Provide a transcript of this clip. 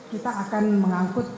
kita akan mengangkut